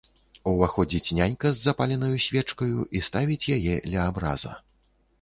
Уваходзіць нянька з запаленаю свечкаю і ставіць яе ля абраза.